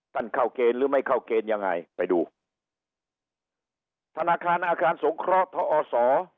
เข้าเกณฑ์หรือไม่เข้าเกณฑ์ยังไงไปดูธนาคารอาคารสงเคราะห์ทอศ